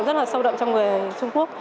rất là sâu đậm trong người trung quốc